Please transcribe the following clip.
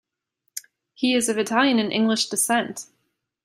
He is of Italian and English descent.